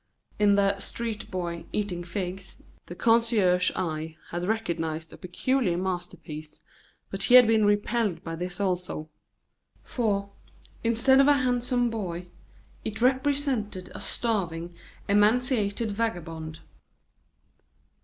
In the Street Boy Eating Figs, the connoisseur's eye had recognised a peculiar masterpiece, but he had been repelled by this also; for, instead of a handsome boy, it represented a starving, emaciated vagabond.